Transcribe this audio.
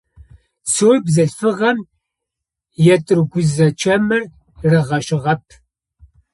Цур бзылъфыгъэм етӏыргузэ чэмыр ригъэщыгъэп.